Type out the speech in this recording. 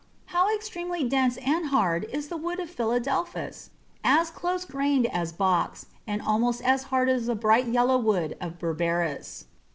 How extremely dense and hard is the wood of Philadelphus! as close grained as Box, and almost as hard as the bright yellow wood of Berberis.